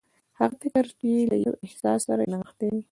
هغه فکر چې له يوه احساس سره نغښتي وي.